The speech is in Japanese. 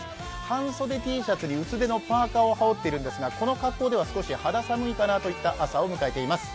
半袖Ｔシャツに薄手のパーカーを羽織っているんですがこの格好では少し肌寒いかなという朝を迎えています。